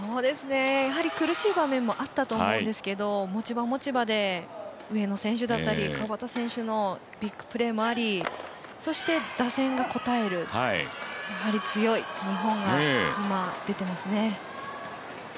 やはり苦しい場面もあったと思うんですけど、持ち場、持ち場で上野選手だったり、川畑選手のビッグプレーもありそして、打線が応える、やはり強い日本が出てますね。